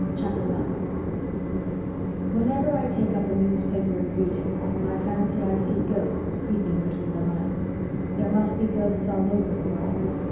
CHAPTER 5 Whenever I take up a newspaper and read it, I fancy I see ghosts creeping between the lines. There must be ghosts all over the world.